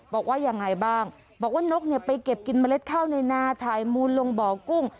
บอกว่ายังไงบ้างบอกว่านกเนี่ยไปเก็บกินเมล็ดข้าวในนาถ่ายมูลลงบ่อกุ้ง